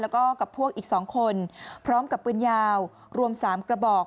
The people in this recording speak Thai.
แล้วก็กับพวกอีก๒คนพร้อมกับปืนยาวรวม๓กระบอก